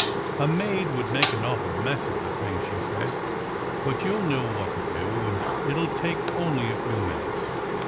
"A maid will make an awful mess of the thing," she said, "but you ll know what to do, and it ll take only a few minutes."